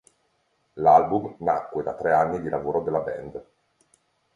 L'album nacque da tre anni di lavoro della band.